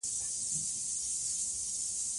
نورستان د افغانستان د اقتصادي منابعو ارزښت زیاتوي.